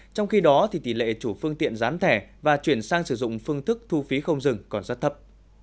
trong khi đó tỷ lệ chủ phương tiện gián thẻ và chuyển sang sử dụng phương thức thu phí không dừng còn rất thấp